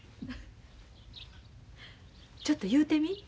ちょっと言うてみ。